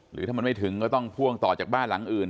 หรือถ้ามันไม่ถึงก็ต้องพ่วงต่อจากบ้านหลังอื่น